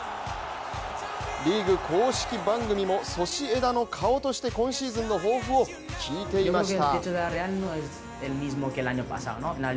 リーグ公式番組もソシエダの顔として今シーズンの抱負を聞いていました。